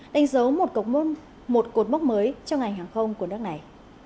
đánh dấu một cột mốc mới cho ngành hàng không của nước này